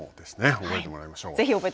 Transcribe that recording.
覚えてもらいましょう。